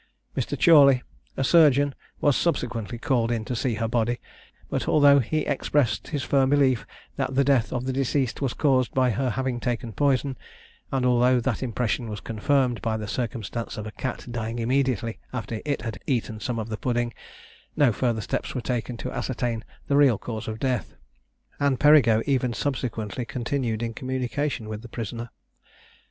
Mr. Chorley, a surgeon, was subsequently called in to see her body; but although he expressed his firm belief that the death of the deceased was caused by her having taken poison, and although that impression was confirmed by the circumstance of a cat dying immediately after it had eaten some of the pudding, no further steps were taken to ascertain the real cause of death, and Perigo even subsequently continued in communication with the prisoner.